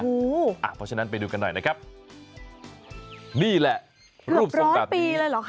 เพราะฉะนั้นไปดูกันหน่อยนะครับนี่แหละรูปสองปีเลยเหรอคะ